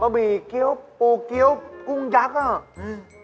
บะหมี่เกี้ยวปูเกี้ยวกุ้งยักษ์